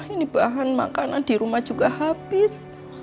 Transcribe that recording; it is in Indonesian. ini bahan makanan di rumah juga habis